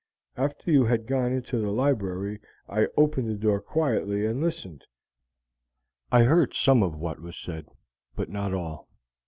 After you had gone into the library I opened the door quietly, and listened. I could hear much that was said, but not all.